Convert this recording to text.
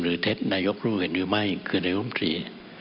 เท็จนายกรู้เห็นหรือไม่คือนายรุมตรี